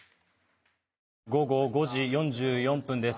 午後５時４４分です。